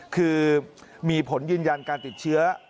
คือมีผลยืนยันการติดเชื้อ